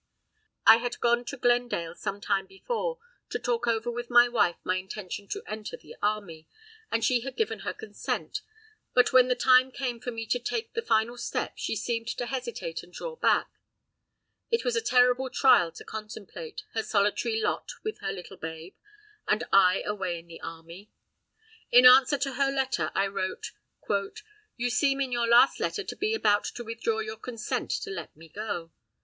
I had gone to Glendale some time before to talk over with my wife my intention to enter the army, and she had given her consent; but when the time came for me to take the final step she seemed to hesitate and draw back. It was a terrible trial to contemplate, her solitary lot with her little babe and I away in the army. In answer to her letter I wrote: "You seem in your last letter to be about to withdraw your consent to let me go.